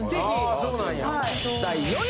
あそうなんや。